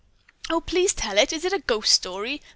"Oh, please tell it! Is it a ghost story?"